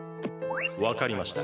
わかりました。